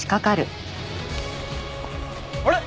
あれ？